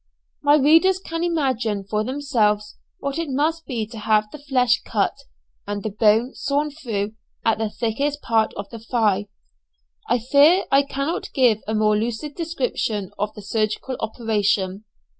My readers can imagine for themselves what it must be to have the flesh cut, and the bone sawn through at the thickest part of the thigh. I fear I cannot give a more lucid description of the surgical operation.